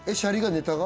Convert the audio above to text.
ネタが？